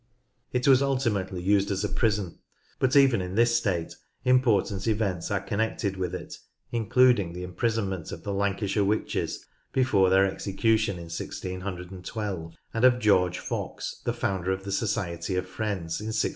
It was ultimately used as a prison, but even in this state im portant events are connected with it, including the imprisonment of the "Lancashire witches" before their execution in 161 2, and of George Fox the founder of the Society of Friends in 1664.